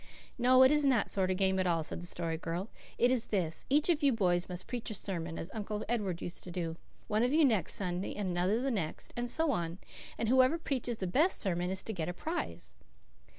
"No, it isn't that sort of game at all," said the Story Girl. "It is this; each of you boys must preach a sermon, as Uncle Edward used to do. One of you next Sunday, and another the next, and so on. And whoever preaches the best sermon is to get a prize."